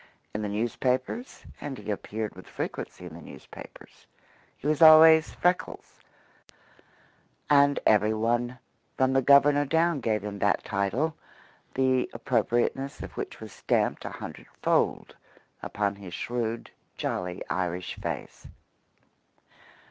In the newspapers and he appeared with frequency in the newspapers he was always "Freckles," and every one from the Governor down gave him that title, the appropriateness of which was stamped a hundred fold upon his shrewd, jolly Irish face.